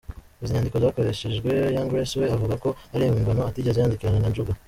Izi nyandiko zakoreshejwe Young Grace we avuga ko ari impimbano atigeze yandikirana na Njuga.